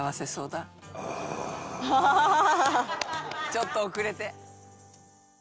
「ちょっと遅れて」